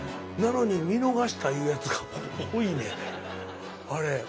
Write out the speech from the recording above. なのに「見逃した」言うやつが多いねんあれ。